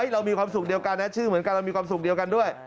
เรามีความสุขเดียวกันนะชื่อเหมือนกันเรามีความสุขเดียวกันด้วย